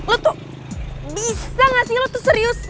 lo tuh bisa gak sih lo tuh serius